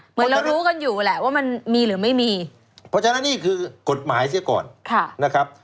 เหมือนเรารู้กันอยู่แหละว่ามันมีหรือไม่มีเพราะฉะนั้นนี่คือกฎหมายเสียก่อนนะครับ